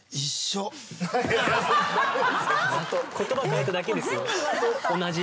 また⁉言葉変えただけですよ。